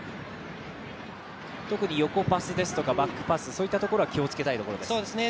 特に横パスですとかバックパス、そういうところは気をつけたいですね。